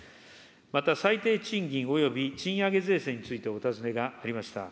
また、最低賃金および賃上げ税制についてお尋ねがありました。